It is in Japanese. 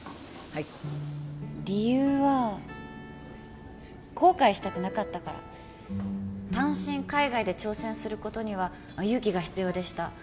はい理由は後悔したくなかったから単身海外で挑戦することには勇気が必要でした